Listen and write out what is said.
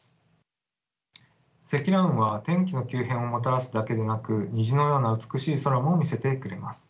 積乱雲は天気の急変をもたらすだけでなく虹のような美しい空も見せてくれます。